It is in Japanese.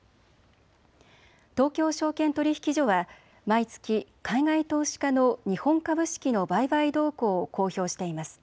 東京証券取引所は毎月、海外投資家の日本株式の売買動向を公表しています。